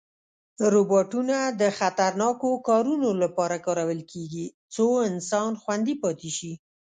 روباټونه د خطرناکو کارونو لپاره کارول کېږي، څو انسان خوندي پاتې شي.